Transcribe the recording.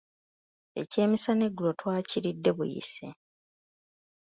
Ekyemisana eggulo twakiridde buyise.